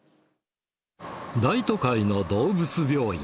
大都会の動物病院。